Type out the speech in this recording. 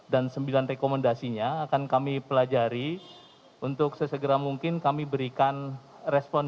dan sembilan rekomendasinya akan kami pelajari untuk sesegera mungkin kami berikan respon